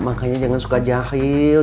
makanya jangan suka jahil